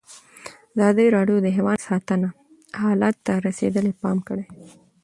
ازادي راډیو د حیوان ساتنه حالت ته رسېدلي پام کړی.